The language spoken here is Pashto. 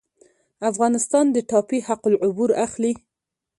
افغانستان د ټاپي حق العبور اخلي